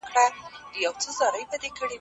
شخصي ملکیت د انسان غریزه ده.